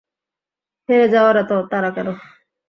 হেরে যাওয়ার এতো তাড়া কেন?